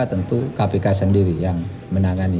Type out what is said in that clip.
tentu kpk sendiri yang menangani